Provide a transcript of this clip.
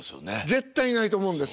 絶対いないと思うんです。